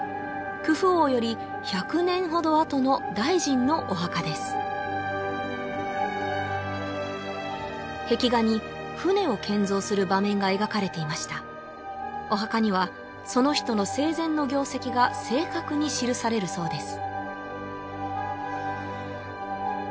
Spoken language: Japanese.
クフ王より１００年ほどあとの大臣のお墓です壁画に船を建造する場面が描かれていましたお墓にはその人の生前の業績が正確に記されるそうです